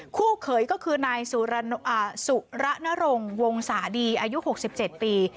คู่เคยก็คือนายมันวงศาลีอายุหกสิบเจ็ดปี